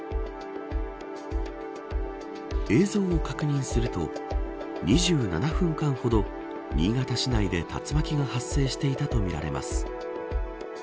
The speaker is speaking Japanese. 映像を確認すると２７分間ほど新潟市内で竜巻が発生していたとみられます。